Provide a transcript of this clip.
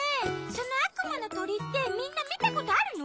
そのあくまのとりってみんなみたことあるの？